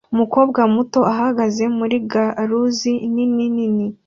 Umukobwa muto uhagaze muri garuzi nini nini